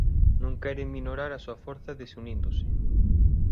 Non queren minorar a súa forza desuníndose.